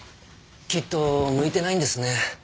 きっと向いてないんですね。